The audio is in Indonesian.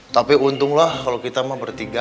tapi untung lah kalau kita mah bertiga